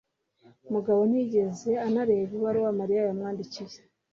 Mugabo ntiyigeze anareba ibaruwa Mariya yamwandikiye.